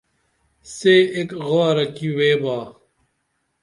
سے ایک غارہ کی ویبا